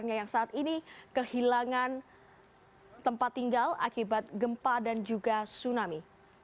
yang saat ini kehilangan tempat tinggal akibat gempa dan juga tsunami